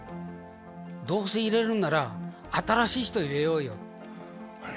「どうせ入れるんなら新しい人入れようよ」